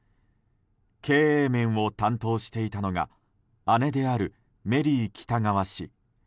経営面を担当していたのが姉であるメリー喜多川氏。